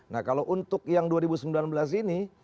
nah kalau untuk yang dua ribu sembilan belas ini